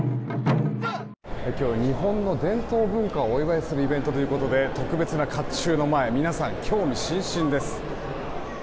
今日は日本の伝統文化をお祝いするイベントということで特別な甲冑の前皆さん、興味津々です。